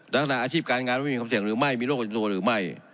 และอาชีพการงานมันไม่มีความเสี่ยงหรือไม่มีโรคกรณีตัวหรือไม่